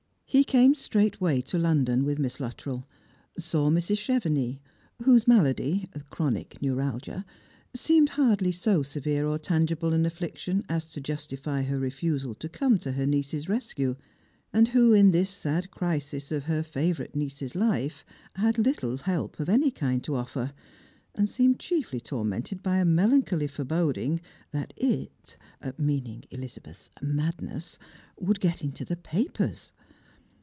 He came straightway to London with Miss Luttrell, saw Mrs. Chevenis, whose malady — chronic neuralgia — seemed hardly so severe or tangible an affliction as to justify her refusal to cc/me to her niece's rescue, and who, in this sad crisis of her favourite niece's life, had little help of any kind to offer, and seemed chieily tormented by a melancholy foreboding, that it, meaning Elizabeth's madness, would get into the papers.